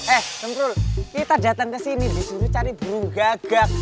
eh tentul kita datang kesini disuruh cari burung gagak